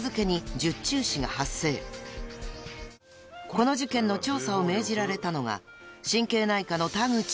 ［この事件の調査を命じられたのが神経内科の田口と］